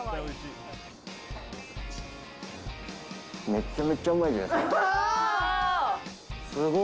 めちゃめちゃうまいじゃないですか！